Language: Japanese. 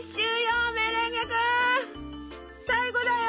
最後だよ！